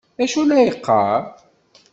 D acu ay la yeqqar?